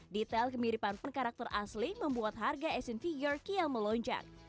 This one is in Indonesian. detail kemiripan karakter asli membuat harga action figure kiasat